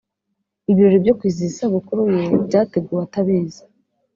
Ibirori byo kwizihiza isabukuru ye byateguwe atabizi